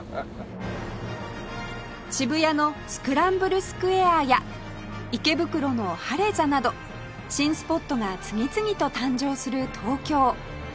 渋谷のスクランブルスクエアや池袋のハレザなど新スポットが次々と誕生する東京